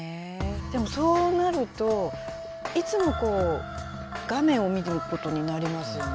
でもそうなるといつも画面を見てることになりますよね。